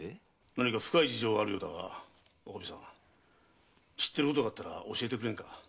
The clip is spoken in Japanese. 何か深い事情があるようだがおかみさん知ってることがあったら教えてくれんか？